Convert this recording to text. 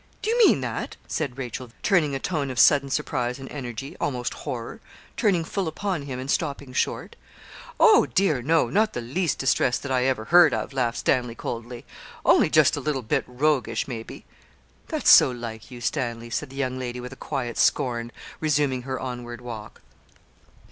Do you mean that?' said Rachel, turning a tone of sudden surprise and energy, almost horror, turning full upon him, and stopping short. 'Oh, dear! no not the least distressed that I ever heard of,' laughed Stanley coldly 'only just a little bit roguish, maybe.' 'That's so like you, Stanley,' said the young lady, with a quiet scorn, resuming her onward walk.